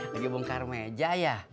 lagi bongkar meja ya